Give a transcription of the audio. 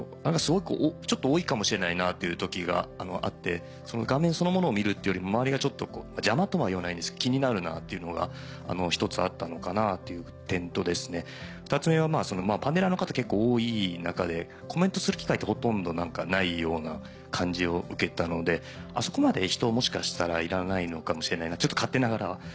ちょっと多いかもしれないなという時があって画面そのものを見るっていうよりも周りが邪魔とは言わないですけど気になるなっていうのが一つあったのかなっていう点と二つ目はパネラーの方結構多い中でコメントする機会ってほとんどないような感じを受けたのであそこまで人をもしかしたらいらないのかもしれないなとちょっと勝手ながら。